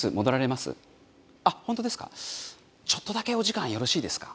ちょっとだけお時間よろしいですか？